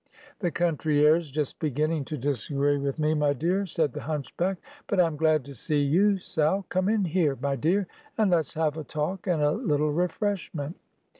"The country air's just beginning to disagree with me, my dear," said the hunchback; "but I'm glad to see you, Sal. Come in here, my dear, and let's have a talk, and a little refreshment."